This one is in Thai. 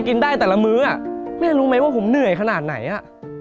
กินได้แต่ละมื้อแม่รู้ไหมว่าผมเหนื่อยขนาดไหนอ่ะ